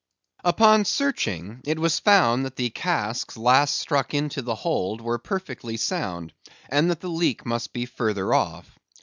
Upon searching, it was found that the casks last struck into the hold were perfectly sound, and that the leak must be further off.